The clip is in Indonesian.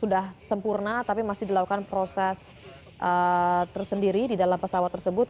sudah sempurna tapi masih dilakukan proses tersendiri di dalam pesawat tersebut